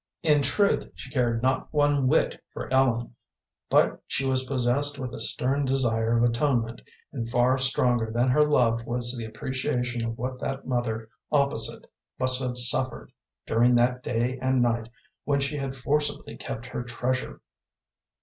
In truth, she cared not one whit for Ellen, but she was possessed with a stern desire of atonement, and far stronger than her love was the appreciation of what that mother opposite must have suffered during that day and night when she had forcibly kept her treasure.